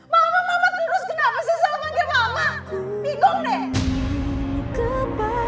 mama mama terus kenapa sesal panggil mama